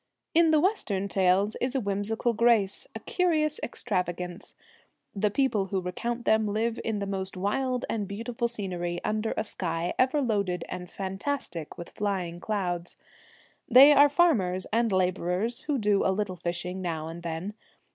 In the western tales is a whimsical grace, a curious extravagance. The people who recount them live in the most wild and 33 d The beautiful scenery, under a sky ever loaded Celtic . n ■, Twilight, and fantastic with nying clouds, l hey are farmers and labourers, who do a little fishing now and then.